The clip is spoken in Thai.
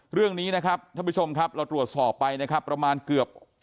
เรื่องนี้นะครับท่านผู้ชมครับเราตรวจสอบไปนะครับประมาณเกือบ